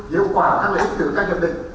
hiệu quả các lợi ích từ các nhập định